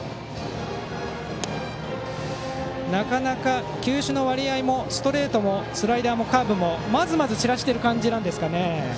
なかなか球種の割合としてはストレートもスライダーもカーブも、まずまず散らしている感じですかね。